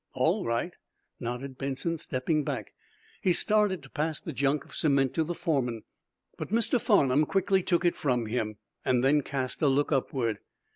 "All right," nodded Benson, stepping back. He started to pass the chunk of cement to the foreman, but Mr. Farnum quickly took it from him, then cast a look upward.